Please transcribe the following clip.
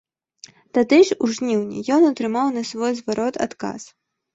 Тады ж у жніўні ён атрымаў на свой зварот адказ.